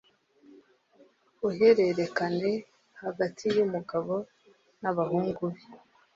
uhererekane hagati y'umugabo n'abahungu be